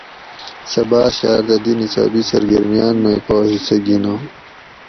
سہ باۤر شاۤردہ دی نصابی سرگرمیان مئی پا حصہ گِھناں